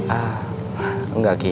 ah enggak kiki